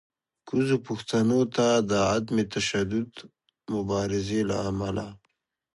کوزو پښتنو ته د عدم تشدد مبارزې له امله